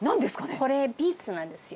これ、ビーツなんですよ。